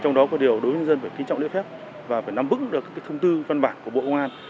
trong đó có điều đối với nhân dân phải kính trọng liệu phép và phải nắm bức được các thông tư văn bản của bộ công an